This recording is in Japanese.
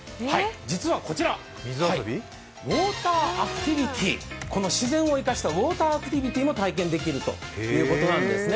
実はこちら、ウォーターアクティビティー、この自然を生かしたウォーターアクティビティーも体験できるんということなんですね。